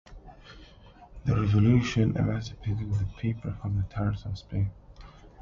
The revolution emancipated the people from the tyrants of Spain.